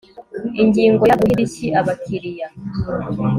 Ingingo ya Guha indishyi abakiriya